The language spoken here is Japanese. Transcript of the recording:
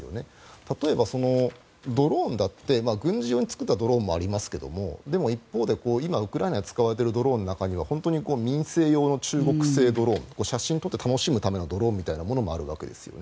例えば、ドローンだって軍事用に作ったドローンもありますがでも一方で、今ウクライナで使われているドローンの中には民生用の中国ドローン写真を撮って楽しむためのドローンみたいなものもあるわけですよね。